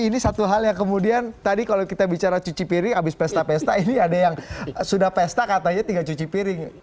ini satu hal yang kemudian tadi kalau kita bicara cuci piring habis pesta pesta ini ada yang sudah pesta katanya tinggal cuci piring